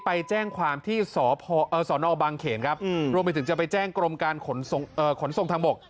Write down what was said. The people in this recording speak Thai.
ไปแจ้งความที่สนบางเขนครับรวมไปถึงจะไปแจ้งกรมการขนส่งทางบก